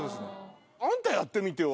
あんたやってみてよ